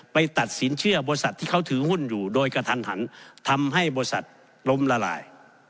ตัดสินเชื่อบริษัทที่เขาถือหุ้นอยู่โดยกระทันหันทำให้บริษัทล้มละลาย